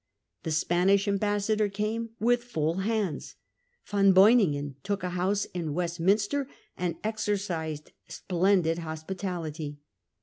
The Spanish ambassador came with full hands. Van Beuninghen took a house in Westminster and exercised splendid hospitality.